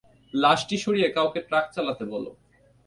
লাশটি সরিয়ে কাউকে ট্রাক চালাতে বল।